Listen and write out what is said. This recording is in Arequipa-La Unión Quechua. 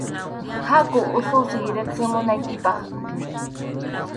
Haku ususiy riqsimunaykipaq.